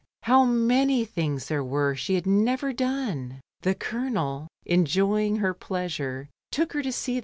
How many things there were she had never done! The Colonel, enjoying her pleasure, took her to se^.